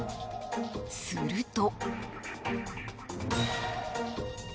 すると。